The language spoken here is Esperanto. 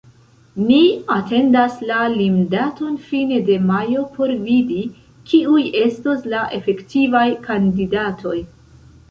Ni atendas la limdaton fine de majo por vidi, kiuj estos la efektivaj kandidatoj.